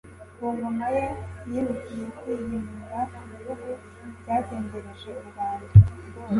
Ku Ngoma ye yihutiye kwihimura ku bihugu byazengereje u Rwanda